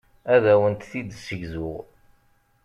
Ad awent-t-id-ssegzuɣ.